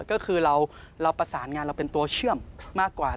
ก็คือเราประสานงานเราเป็นตัวเชื่อมมากกว่า